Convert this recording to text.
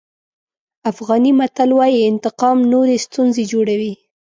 افغاني متل وایي انتقام نورې ستونزې جوړوي.